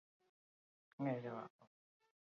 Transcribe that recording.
Geroago, epaimahaiak erabakiko ditu hiru irabazleak.